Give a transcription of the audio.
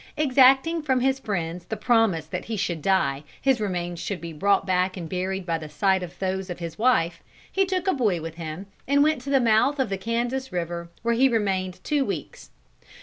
Exacting from his friends the promise that should he die, his remains should be brought back and buried by the side of those of his wife, he took a boy with him and went to the mouth of the Kansas River, where he remained two weeks.